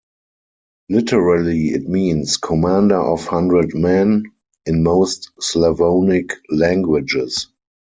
Literally it means "commander of hundred men" in most Slavonic languages.